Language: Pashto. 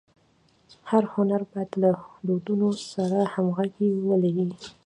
هر هنر باید له دودونو سره همږغي ولري.